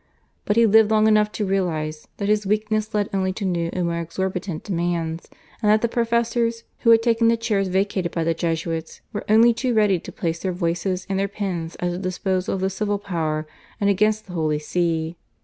But he lived long enough to realise that his weakness led only to new and more exorbitant demands, and that the professors, who had taken the chairs vacated by the Jesuits, were only too ready to place their voices and their pens at the disposal of the civil power and against the Holy See.